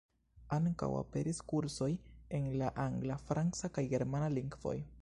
Ankaŭ aperis kursoj en la angla, franca kaj germana lingvoj.